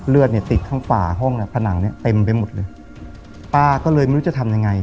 เลือดเนี่ยติดข้างฝ่าห้องเนี่ยผนังเนี่ยเต็มไปหมดเลยป้าก็เลยไม่รู้จะทำยังไง